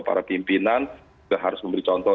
para pimpinan juga harus memberi contoh